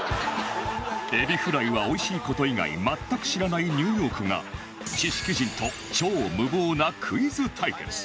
エビフライはおいしい事以外全く知らないニューヨークが知識人と超無謀なクイズ対決